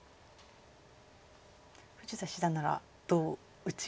富士田七段ならどう打ちますか？